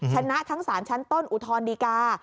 ชนะทั้งสารชั้นต้นอุทธรณดีกา